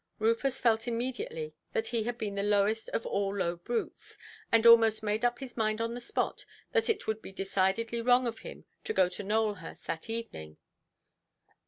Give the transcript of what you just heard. Rufus felt immediately that he had been the lowest of all low brutes; and almost made up his mind on the spot that it would be decidedly wrong of him to go to Nowelhurst that evening.